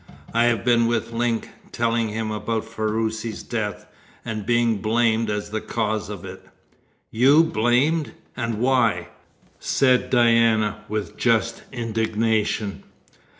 "I have been with Link, telling him about Ferruci's death, and being blamed as the cause of it." "You blamed! And why?" said Diana, with just indignation.